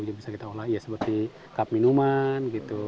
dia bisa kita olah seperti kap minuman